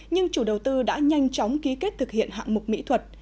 nhưng chủ đầu tư đã nhanh chóng ký kết thực hiện hạng mục mỹ thuật